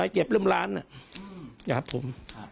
เก็บเริ่มล้านนะครับผม